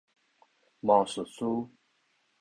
魔術師